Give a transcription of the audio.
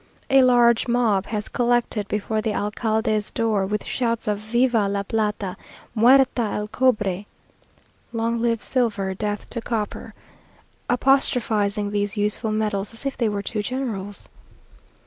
A large mob has collected before the alcalde's door, with shouts of "Viva la plata! Muerta al cobre!" (Long live silver! Death to copper!) apostrophizing these useful metals, as if they were two generals.